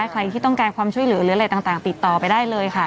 ใครที่ต้องการความช่วยเหลือหรืออะไรต่างติดต่อไปได้เลยค่ะ